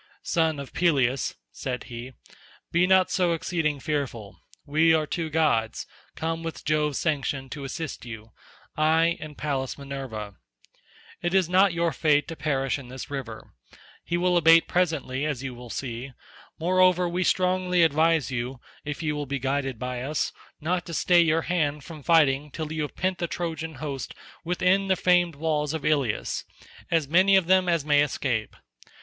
"Son of Peleus," said he, "be not so exceeding fearful; we are two gods, come with Jove's sanction to assist you, I, and Pallas Minerva. It is not your fate to perish in this river; he will abate presently as you will see; moreover we strongly advise you, if you will be guided by us, not to stay your hand from fighting till you have pent the Trojan host within the famed walls of Ilius—as many of them as may escape.